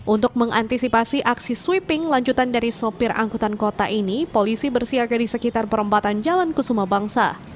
untuk mengantisipasi aksi sweeping lanjutan dari sopir angkutan kota ini polisi bersiaga di sekitar perempatan jalan kusuma bangsa